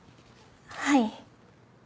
はい。